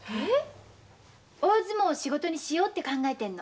大相撲を仕事にしようって考えているの。